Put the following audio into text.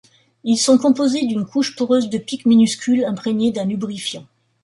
Ils sont composés d'une couche poreuse de pics minuscules imprégnée d'un lubrifiant.